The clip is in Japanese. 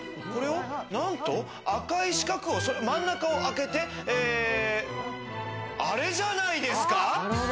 何と赤い四角を、真ん中をあけて、あれじゃないですか？